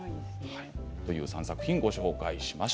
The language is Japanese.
３作品ご紹介しました。